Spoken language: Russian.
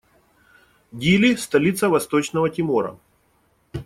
Дили - столица Восточного Тимора.